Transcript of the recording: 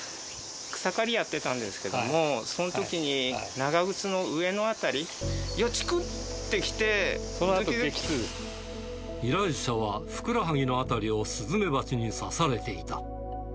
草刈りやってたんですけども、そのときに、長靴の上の辺り、依頼者はふくらはぎの辺りをスズメバチに刺されていた。